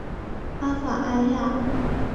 阿法埃娅。